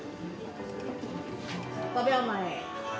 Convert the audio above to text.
５秒前。